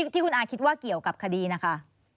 ที่คุณอาคิดว่าเกี่ยวกับคดีนะคะ